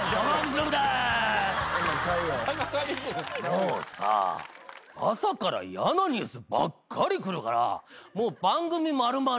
もうさ朝から嫌なニュースばっかり来るからもう番組丸々